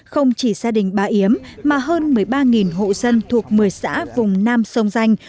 không chỉ gia đình bà yếm mà hơn một mươi ba hộ dân thuộc một mươi xã vùng nam sông danh